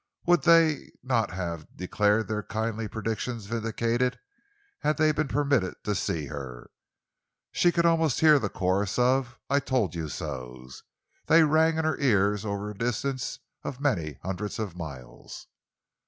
Would they not have declared their kindly predictions vindicated had they been permitted to see her? She could almost hear the chorus of "I told you so's"—they rang in her ears over a distance of many hundreds of miles!